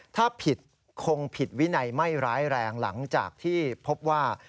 ถ้าผิดคงผิดวินัยไม่ร้ายแรงหลังจากที่พบว่า